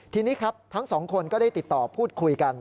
ทีนี้ครับทั้งสองคนก็ได้ติดต่อพูดคุยกัน